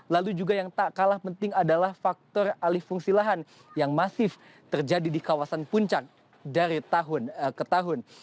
lalu juga yang tak kalah penting adalah faktor alih fungsi lahan yang masif terjadi di kawasan puncak dari tahun ke tahun